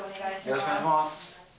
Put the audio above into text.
よろしくお願いします。